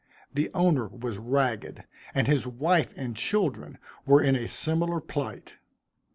The owner was ragged, and his wife and children were in a similar plight.